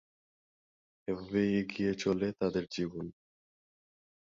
এভাবেই এগিয়ে চলে তাদের জীবন।